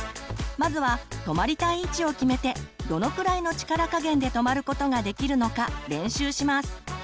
まずは止まりたい位置を決めてどのくらいの力加減で止まることができるのか練習します。